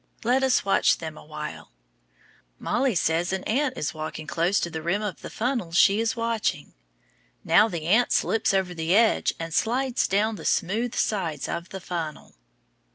Let us watch them a while. Mollie says an ant is walking close to the rim of the funnel she is watching. Now the ant slips over the edge and slides down the smooth sides of the funnel.